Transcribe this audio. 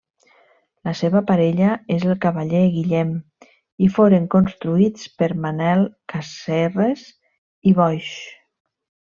La seva parella és el Cavaller Guillem i foren construïts per Manel Casserres i Boix.